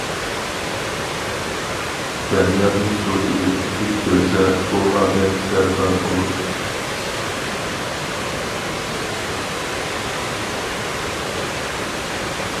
دەريادىن سۇ ئېلىپ چۈش كۆرسە ئۇ ئادەم زەردار بولۇر.